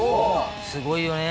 すごいよね。